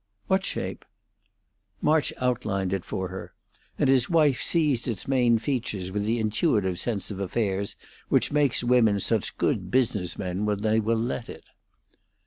"What shape?" March outlined it for her, and his wife seized its main features with the intuitive sense of affairs which makes women such good business men when they will let it.